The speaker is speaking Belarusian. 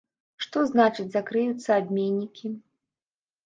Што значыць закрыюцца абменнікі?